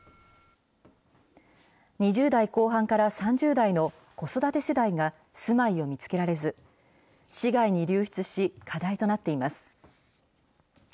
２０代後半から３０代の子育て世代が、住まいを見つけられず、市外に流出し、課題となっています。